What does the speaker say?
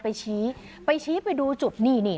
ไปชี้ไปดูจุดนี่นี่